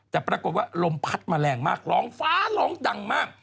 แต่ปรากฏว่าลมพัดมาแรงมากร้องฟ้าร้องดังมาก